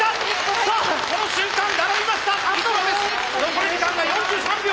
残り時間が４３秒。